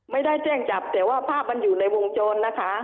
ไม่ได้แจ้งจับแต่ว่าภาพมันอยู่ในวงจรนะคะ